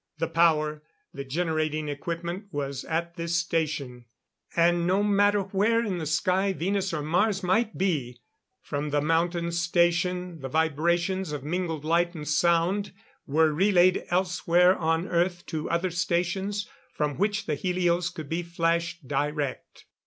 The power, the generating equipment was at this station; and no matter where in the sky Venus or Mars might be, from the Mountain Station the vibrations of mingled light and sound were relayed elsewhere on Earth to other stations from which the helios could be flashed direct.